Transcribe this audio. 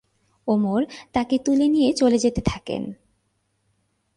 উমর তাকে তুলে নিয়ে চলে যেতে থাকেন।